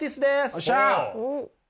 よっしゃ！